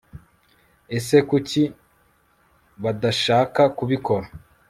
Ese Kuki badashaka kubikora